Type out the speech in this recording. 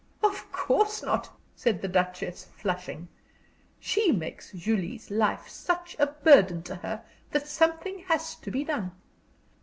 "Of course not," said the Duchess, flushing. "She makes Julie's life such a burden to her that something has to be done.